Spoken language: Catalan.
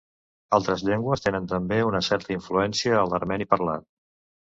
Altres llengües tenen també una certa influència a l'armeni parlat.